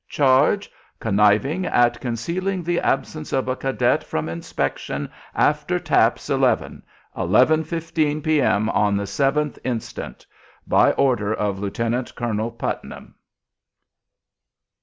Charge conniving at concealing the absence of a cadet from inspection after 'taps,' eleven eleven fifteen P.M., on the 7th instant. "By order of Lieutenant Colonel Putnam."